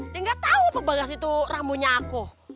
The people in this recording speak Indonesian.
dia nggak tahu apa bagas itu rambunya aku